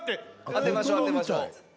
当てましょ当てましょ。